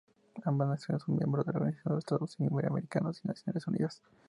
Ambas naciones son miembros del Organización de los Estados Iberoamericanos y las Naciones Unidas.